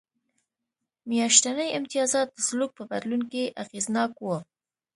میاشتني امتیازات د سلوک په بدلون کې اغېزناک و.